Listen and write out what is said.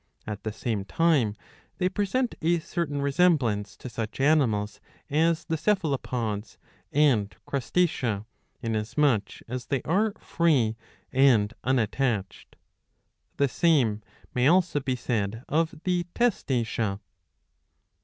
^' At "the same time they present a certain resemblance to such animals as the Cephalopods and Crustacea, inasmuch as they are free and un attached. The same may also be said of the Testacea.